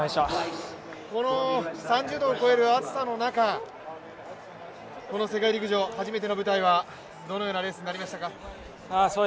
この３０度を超える暑さの中、世界陸上初めての舞台はどのようなレースになりましたか？